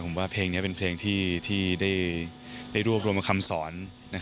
ผมว่าเพลงนี้เป็นเพลงที่ได้รวบรวมคำสอน